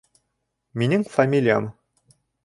Минең фамилиям...